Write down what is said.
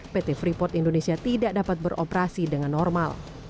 pt freeport indonesia tidak dapat beroperasi dengan normal